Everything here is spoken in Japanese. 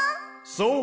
そう！